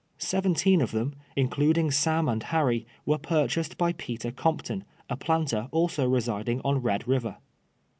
Seventeen of them, including Sam and Harry, ^^ ere purchased by Peter Comptonj a planter also residing on Red River.